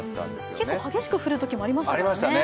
結構激しく降るときもありましたね。